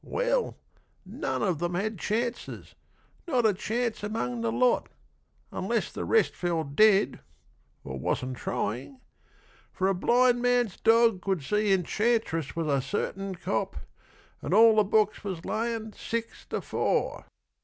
Well, none of them had chances not a chance Among the lot, unless the rest fell dead Or wasn't trying for a blind man's dog Could see Enchantress was a certain cop, And all the books was layin' six to four.